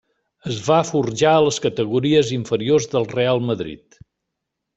Es va forjar a les categories inferiors del Reial Madrid.